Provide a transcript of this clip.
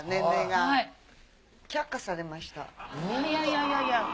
いやいやいやいや。